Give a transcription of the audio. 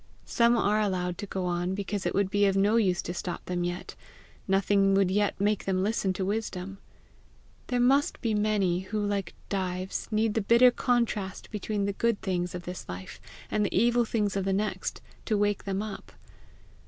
Some are allowed to go on because it would be of no use to stop them yet; nothing would yet make them listen to wisdom. There must be many who, like Dives, need the bitter contrast between the good things of this life and the evil things of the next, to wake them up.